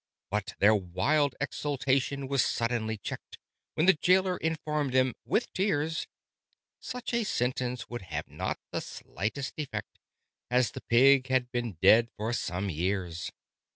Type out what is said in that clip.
But their wild exultation was suddenly checked When the jailer informed them, with tears, Such a sentence would have not the slightest effect, As the pig had been dead for some years.